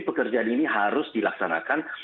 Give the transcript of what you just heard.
pekerjaan ini harus dilaksanakan